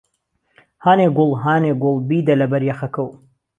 هانێ گوڵ هانێ گوڵ بیده له بهر یهخهکهو